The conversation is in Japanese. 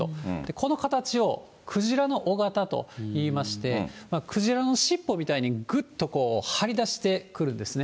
この形をクジラの尾型といいまして、クジラのしっぽみたいにぐっと張り出してくるんですね。